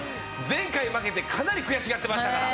前回負けて、かなり悔しがってましたから。